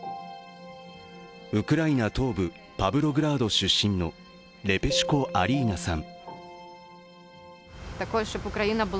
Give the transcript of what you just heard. ウクライナ東部パブログラード出身のレペシュコ・アリーナさん。